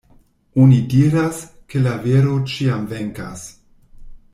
Oni diras, ke la vero ĉiam venkas.